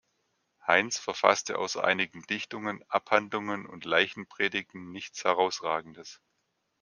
Heins verfasste außer einigen Dichtungen, Abhandlungen und Leichenpredigten nichts Herausragendes.